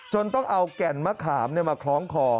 ต้องเอาแก่นมะขามมาคล้องคอ